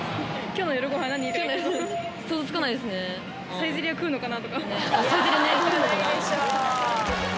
サイゼリヤね食うのかな？